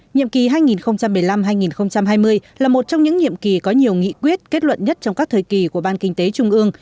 nhiệm kỳ hai nghìn một mươi năm hai nghìn hai mươi là một trong những nhiệm kỳ có nhiều nghị quyết kết luận nhất trong các thời kỳ của ban kinh tế trung ương